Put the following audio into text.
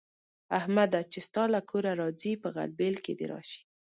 احمده! چې ستا له کوره راځي؛ په غلبېل کې دې راشي.